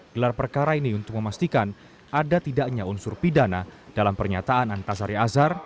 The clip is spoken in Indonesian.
gelar perkara ini untuk memastikan ada tidaknya unsur pidana dalam pernyataan antasari azhar